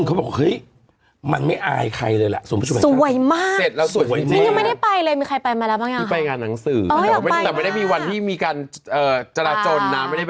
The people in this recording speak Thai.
แต่ไม่ได้มีวันที่มีการเจราสน